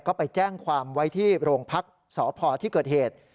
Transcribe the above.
ก็ไปแจ้งความไว้ที่โรงพักษ์สพที่เกิดเหตุ